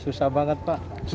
susah banget pak susah